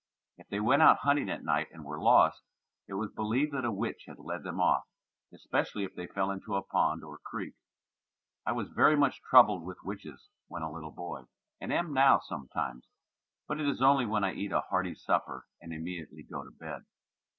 If they went out hunting at night and were lost, it was believed that a witch had led them off, especially if they fell into a pond or creek. I was very much troubled with witches when a little boy and am now sometimes, but it is only when I eat a hearty supper and immediately go to bed.